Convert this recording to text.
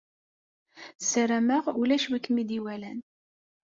Sarameɣ ulac win i kem-id-iwalan.